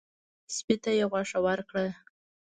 سپي ته یې غوښه ورکړه.